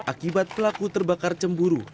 akibat pelaku terbakar cemburu